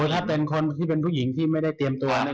อันนี้ถูกโดยเรียกว่าคนที่เป็นผู้หญิงที่ไม่ได้เตรียมตัว